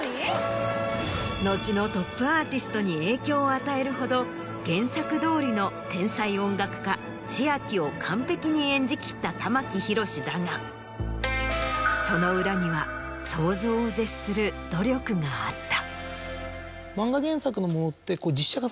後のトップアーティストに影響を与えるほど原作どおりの天才音楽家千秋を完璧に演じきった玉木宏だがその裏には想像を絶する努力があった。